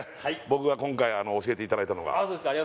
僕が今回教えていただいたのがああ